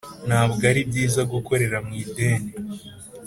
ntabwo ari byiza gukorera mu ideni